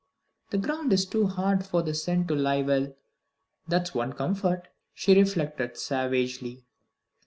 "The ground is too hard for the scent to lie well, that's one comfort," she reflected savagely.